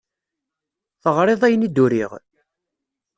Teɣriḍ ayen i d-uriɣ?